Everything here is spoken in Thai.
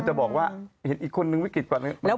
จะบอกว่าเห็นอีกคนนึงวิกฤตกว่านึง